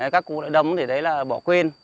các cụ lại đấm để đấy là bỏ quên